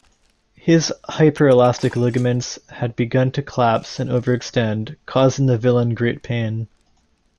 His hyper-elastic ligaments had begun to collapse and over-extend, causing the villain great pain.